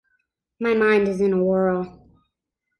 My mind is in a whirl.